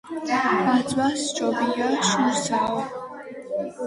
ბაძვა სჯობია შურსაო.